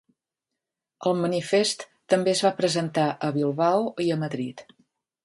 El manifest també es va presentar a Bilbao i a Madrid.